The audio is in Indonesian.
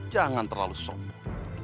jangan terlalu sombong